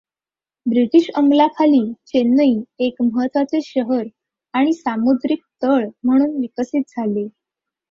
British अंमलाखाली चेन्नई एक महत्वाचे शहर आणि सामुद्रिक तळ म्हणून विकसित झाले.